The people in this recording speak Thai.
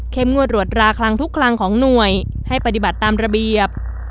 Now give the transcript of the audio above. งวดรวดราคลังทุกคลังของหน่วยให้ปฏิบัติตามระเบียบ